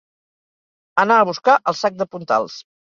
Anar a buscar el sac de puntals.